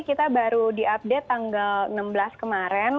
kita baru di update tanggal enam belas kemarin